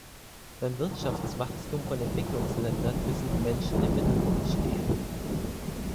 Beim Wirtschaftswachstum von Entwicklungsländern müssen die Menschen im Mittelpunkt stehen.